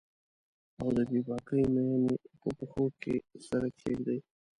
او د بې باکې میینې په پښو کې سر کښیږدي